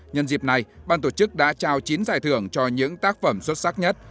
nhân dịp này ban tổ chức đã trao chín giải thưởng cho những tác phẩm xuất sắc nhất